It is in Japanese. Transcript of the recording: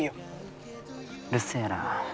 うるせえな。